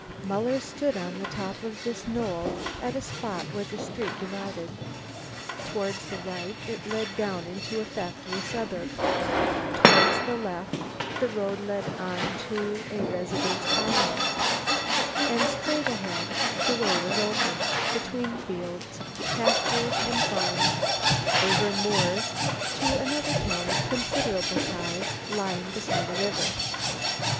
Muller stood on the top of this knoll at a spot where the street divided. Towards the right it led down into a factory suburb; towards the left the road led on to a residence colony, and straight ahead the way was open, between fields, pastures and farms, over moors, to another town of considerable size lying beside a river.